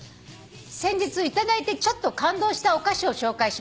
先日頂いてちょっと感動したお菓子を紹介します」